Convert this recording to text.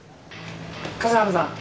笠原さん